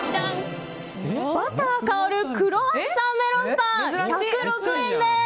バター香るクロワッサンメロンパン、１０６円です。